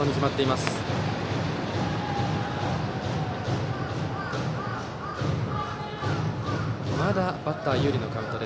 まだバッター有利のカウント。